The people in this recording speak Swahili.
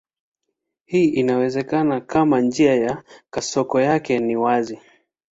Hii inawezekana kama njia ya kasoko yake ni wazi.